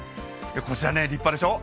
こちら、立派でしょう？